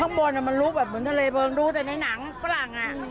ข้างบนมันรู้แบบเหมือนทะเลบอลรู้แต่ในหนังฝรั่ง